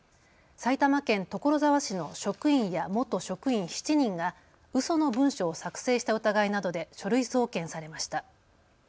埼玉県所沢市の職員や元職員７人がうその文書を作成した疑いなどで書類送検されました。